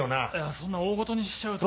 そんな大ごとにしちゃうと。